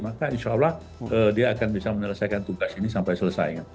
maka insya allah dia akan bisa menyelesaikan tugas ini sampai selesai